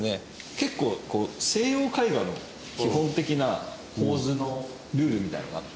結構西洋絵画の基本的な構図のルールみたいなのがあって。